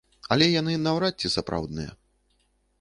Але яны наўрад ці сапраўдныя.